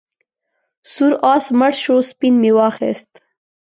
سور آس مړ شو سپین مې واخیست.